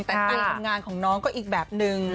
แต่การทำงานของน้องก็อีกแบบนึง